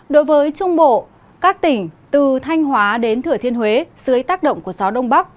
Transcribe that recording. đối với trung bộ các tỉnh từ thanh hóa đến thửa thiên huế dưới tác động của gió đông bắc